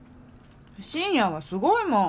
深夜はすごいもん。